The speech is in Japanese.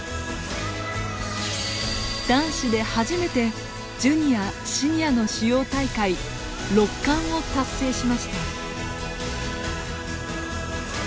男子で初めてジュニアシニアの主要大会六冠を達成しました。